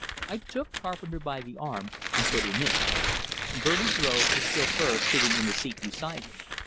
I took Carpenter by the arm and put him in. Bertie drove, the chauffeur sitting in the seat beside him.